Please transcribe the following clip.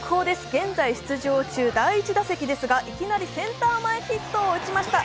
現在出場中、第１打席ですが、いきなりセンター前ヒットを打ちました。